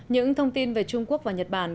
những thông tin về trung quốc và nhật bản